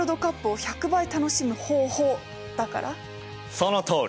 そのとおり！